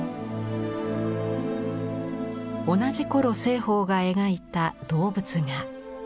同じ頃栖鳳が描いた動物画。